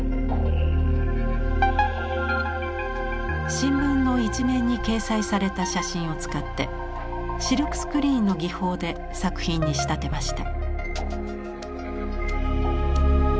新聞の一面に掲載された写真を使ってシルクスクリーンの技法で作品に仕立てました。